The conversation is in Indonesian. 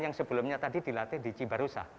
yang sebelumnya tadi dilatih di cibarusah